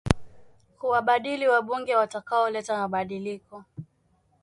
kuwabadili wabunge watakaoleta mabadiliko